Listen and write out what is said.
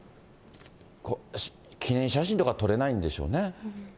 記念写真とか撮れないんでしょう